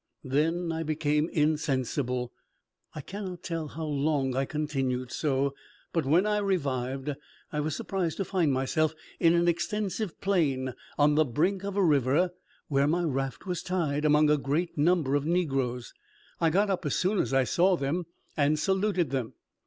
Then I became insensible. I cannot tell how long I continued so; but when I revived, I was surprised to find myself in an extensive plain on the brink of a river, where my raft was tied, among a great number of negroes. I got up as soon as I saw them, and saluted them.